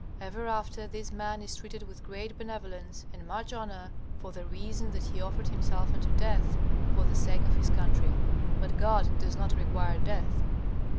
Ever after, this man is treated with great benevolence and much honor, for the reason that he offered himself unto death for the sake of his country. But God does not require death.